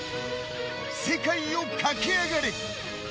世界を駆けあがれ。